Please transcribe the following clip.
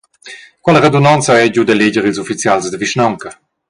Quella radunonza ha era giu d’eleger ils ufficials da vischnaunca.